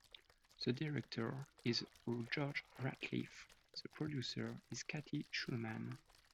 The director is George Ratliff, the producer is Cathy Schulman.